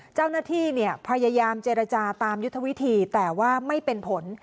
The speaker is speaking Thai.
เจ้าหน้าที่พยายามเจรจาตามยุทธวิธีแต่ว่าไม่เป็นผล